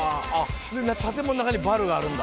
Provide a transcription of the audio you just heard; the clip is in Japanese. で建物の中にバルがあるんだ。